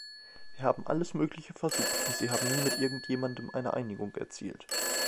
Wir haben alles Mögliche versucht, und Sie haben nie mit irgendjemandem eine Einigung erzielt.